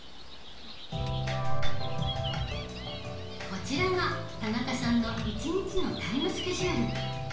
こちらが田中さんの１日のタイムスケジュール。